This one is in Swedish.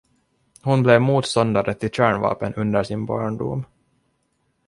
Hon blev motståndare till kärnvapen under sin barndom.